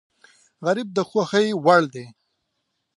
غریب د خوښۍ وړ دی